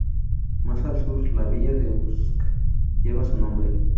Más al sur la villa de Usk lleva su nombre.